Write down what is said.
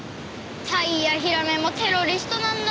タイやヒラメもテロリストなんだが。